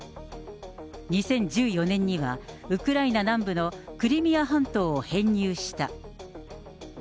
２０１４年には、ウクライナ南部のクリミア半島を編入した。